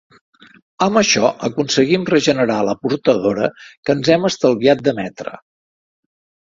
Amb això aconseguim regenerar la portadora que ens hem estalviat d'emetre.